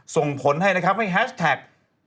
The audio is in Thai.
ส่งผลให้นะครับให้แฮชแท็ก